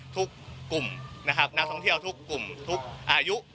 ทุกกลุ่มนักท่องเที่ยวทุกอายุ